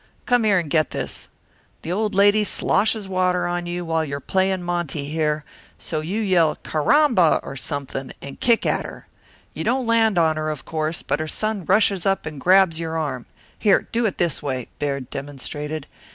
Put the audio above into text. Come here and get this. The old lady sloshes water on you while you're playing monte here, so you yell Carramba or something, and kick at her. You don't land on her, of course, but her son rushes up and grabs your arm here, do it this way." Baird demonstrated.